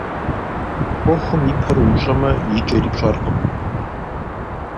Ӏуэхум и пэр умыщӀэмэ, и кӀэри пщӀэркъым.